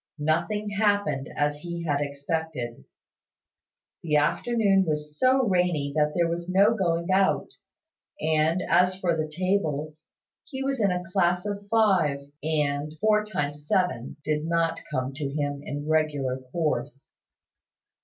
Nothing happened as he had expected. The afternoon was so rainy that there was no going out; and, as for the tables, he was in a class of five; and "four times seven" did not come to him in regular course.